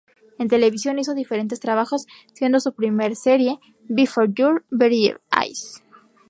En televisión hizo diferentes trabajos, siendo su primera serie "Before Your Very Eyes!